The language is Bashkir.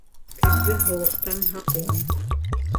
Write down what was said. Көҙгө һыуыҡтан һаҡлан.